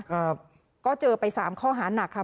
ครับก็เจอไปสามข้อหานักค่ะ